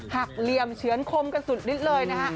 เหลี่ยมเฉือนคมกันสุดนิดเลยนะฮะ